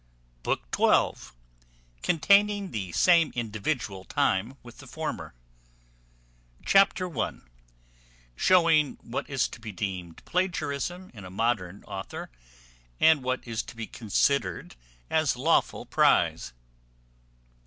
BOOK XII. CONTAINING THE SAME INDIVIDUAL TIME WITH THE FORMER. Chapter i. Showing what is to be deemed plagiarism in a modern author, and what is to be considered as lawful prize.